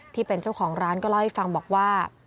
ที่เป็นเจ้าของร้านก็เล่าให้ฟังบอกว่า